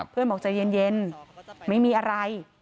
บอกใจเย็นไม่มีอะไร